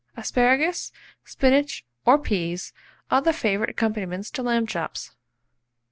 Asparagus, spinach, or peas are the favourite accompaniments to lamb chops.